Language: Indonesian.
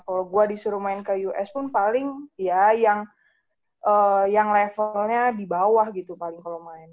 kalau gue disuruh main ke us pun paling ya yang levelnya di bawah gitu paling kalau main